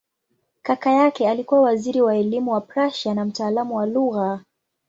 Kaka yake alikuwa waziri wa elimu wa Prussia na mtaalamu wa lugha.